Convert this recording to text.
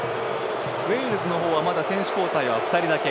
ウェールズの方はまだ選手交代は２人だけ。